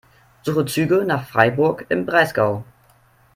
Suche Züge nach Freiburg im Breisgau.